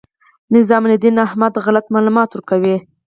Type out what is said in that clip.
نظام الدین احمد غلط معلومات ورکوي.